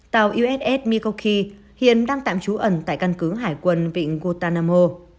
tàu uss milwaukee hiện đang tạm trú ẩn tại căn cứ hải quân vịnh guantanamo